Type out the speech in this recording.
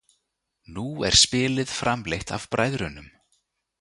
Nú er spilið framleitt af bræðrunum.